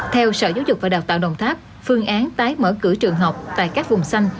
theo sở giáo dục và đào tạo đồng tháp phương án tái mở cửa trường học tại các vùng xanh